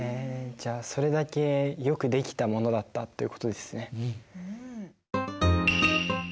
じゃあそれだけよく出来たものだったということですね。